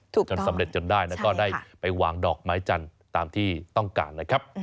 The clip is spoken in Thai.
จนสำเร็จจนได้แล้วก็ได้ไปวางดอกไม้จันทร์ตามที่ต้องการนะครับ